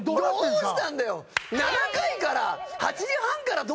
どうしたんだよ！